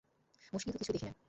মুশকিল তো কিছুই দেখি নে।